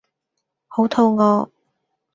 好肚餓